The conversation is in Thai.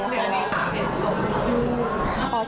อันนี้หลังให้สุดลง